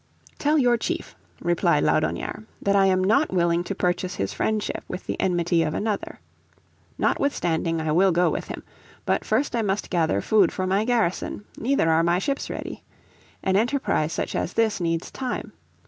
"Tell your chief, replied Laudonnière, " that I am not willing to purchase his friendship with the enmity of another. Notwithstanding I will go with him. But first I must gather food for my garrison, neither are my ships ready. An enterprise such as this needs time.